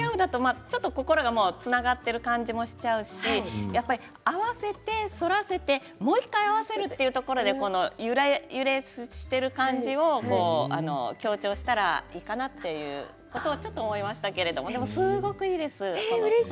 笑い合うだと心がつながっている感じもしちゃうし合わせて、そらせてもう１回合わせるというところゆらゆらしている感じを強調したらいいかなということをちょっと思いましたけれどでもすごく、いいです。